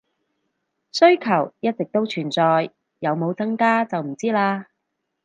需求一直都存在，有冇增加就唔知喇